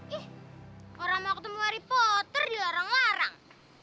ih orang mau ketemu harry potter dilarang larang